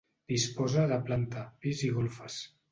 Disposa de planta, pis i golfes.